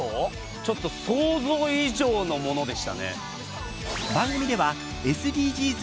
ちょっと想像以上のものでしたね。